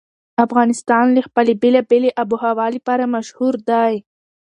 افغانستان د خپلې بېلابېلې آب وهوا لپاره مشهور دی.